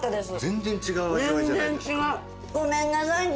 全然違う味わいじゃないですか。